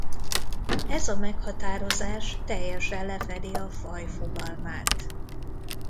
Ez a meghatározás teljesen lefedi a faj fogalmát.